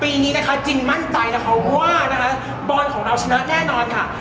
ปีนี้นะคะจริงมั่นใจนะคะว่านะคะบอลของเราชนะแน่นอนค่ะ